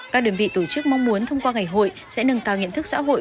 các đơn vị tổ chức mong muốn thông qua ngày hội sẽ nâng cao nhận thức xã hội